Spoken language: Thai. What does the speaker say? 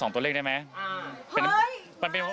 ตัวเลขได้ไหม